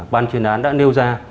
ban chuyên án đã nêu ra